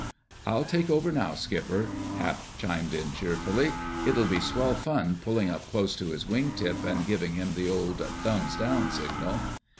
"I'll take over now, Skipper," Hap chimed in cheerfully. "It'll be swell fun pulling up close to his wing tip and giving him the old 'thumbs down' signal."